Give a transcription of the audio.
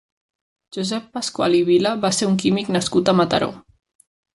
Josep Pascual i Vila va ser un químic nascut a Mataró.